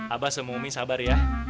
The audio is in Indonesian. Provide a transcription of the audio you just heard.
abah sama umi sabar ya